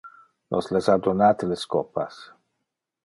Nos les ha donate le scopas.